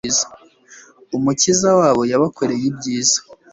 umukiza wabo yabakoreye ibyiza